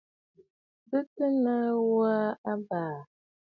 Bɨ kɨ̀ nɨ̌ŋ ǹjò ghu abàà.